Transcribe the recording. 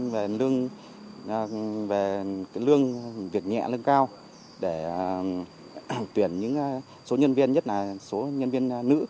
về lương việc nhẹ lương cao để tuyển những số nhân viên nhất là số nhân viên nữ